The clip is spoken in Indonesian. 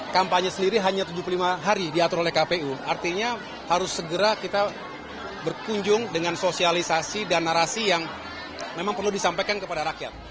kampanye sendiri hanya tujuh puluh lima hari diatur oleh kpu artinya harus segera kita berkunjung dengan sosialisasi dan narasi yang memang perlu disampaikan kepada rakyat